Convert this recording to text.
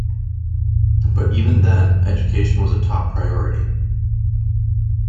But even then, education was a top priority.